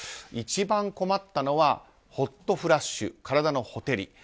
一番困ったのはホットフラッシュ、体のほてり。